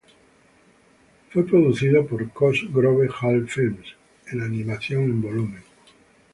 Fue producido por Cosgrove Hall Films en animación en volumen.